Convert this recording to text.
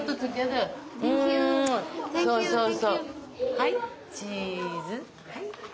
はいチーズ。